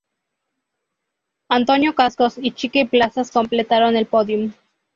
Antonio Cascos y Chiqui Plazas completaron el pódium.